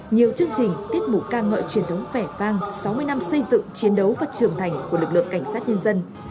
nhiều chương trình tiết mục ca ngợi truyền thống vẻ vang sáu mươi năm xây dựng chiến đấu và trưởng thành của lực lượng cảnh sát nhân dân